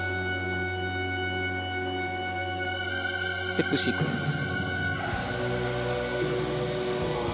ステップシークエンス。